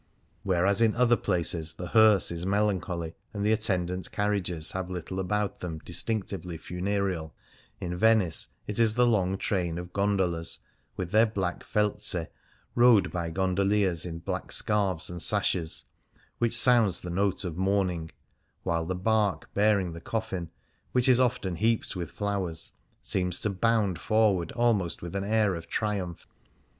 Whereas in other places the hearse is melan choly, and the attendant carriages have little about them distinctively funereal, in Venice it is the long train of gondolas with their black felze^ rowed by gondoliers in black scarves and sashes, which sounds the note of mourning, while the barque bearing the coffin, which is often heaped with flowers, seems to bound for ward almost with an air of triumph.